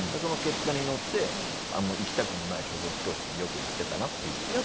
そのけったに乗って行きたくもない書道教室によく行ってたなっていう。